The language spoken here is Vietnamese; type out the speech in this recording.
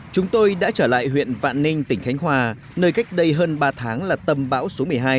chúng tôi đã trở lại huyện vạn ninh tỉnh khánh hòa nơi cách đây hơn ba tháng là tâm bão số một mươi hai